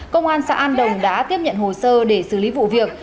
công an xã an đồng đã tiếp nhận hồ sơ để xử lý vụ việc